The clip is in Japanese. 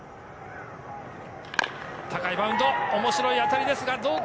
高いバウンド、面白い当たりですが、どうか？